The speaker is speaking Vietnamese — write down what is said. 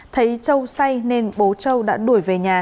thấy châu say nên bố châu đã đuổi về nhà